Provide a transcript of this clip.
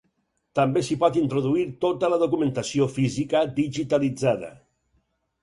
També s'hi pot introduir tota la documentació física digitalitzada.